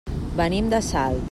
Venim de Salt.